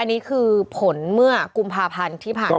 อันนี้คือผลเมื่อกุมภาพันธ์ที่ผ่านมา